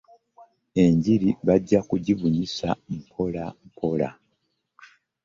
Enjiri bajja kugibunyisa mpola mpola.